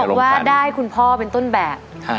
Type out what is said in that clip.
เห็นบอกว่าได้คุณพ่อเป็นต้นแบบค่ะ